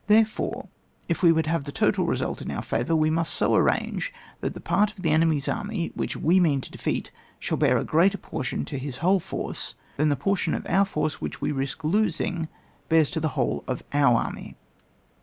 Therefore, if we would have the total result in our favour, we must so arrange that the part of the enemy's army which we mean to defeat, shall bear a greater proportion to his whole force than the portion of our force which we risk losing bears to the whole of our army.